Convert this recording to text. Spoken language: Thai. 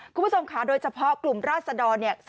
คุณผู้ชมค่ะโดยเฉพาะกลุ่มราศดรเนี่ย